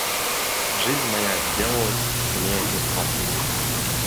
Жизнь моя сделалась мне несносна.